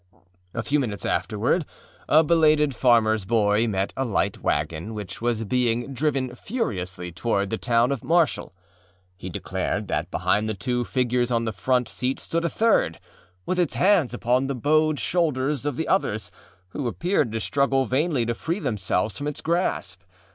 A few minutes afterward a belated farmerâs boy met a light wagon which was being driven furiously toward the town of Marshall. He declared that behind the two figures on the front seat stood a third, with its hands upon the bowed shoulders of the others, who appeared to struggle vainly to free themselves from its grasp.